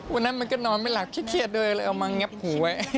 วันนั้นมันก็นอนไม่หลับเครียดด้วยเอามางับหูไว้